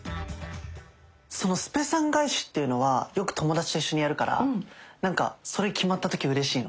そのスぺ３返しっていうのはよく友達と一緒にやるからなんかそれ決まった時うれしいの。